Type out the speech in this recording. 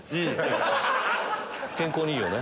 健康にいいよね。